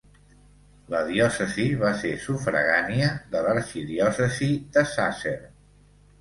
La diòcesi va ser sufragània de l'arxidiòcesi de Sàsser.